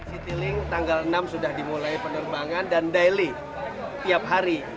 citylink tanggal enam sudah dimulai penerbangan dan daily tiap hari